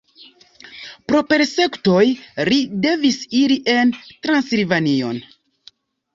Pro persekutoj li devis iri en Transilvanion.